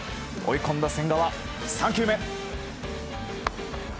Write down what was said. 追い込んだ千賀は３球目。